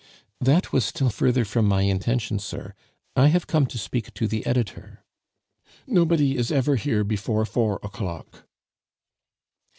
"That was still further from my intention, sir. I have come to speak to the editor." "Nobody is ever here before four o'clock."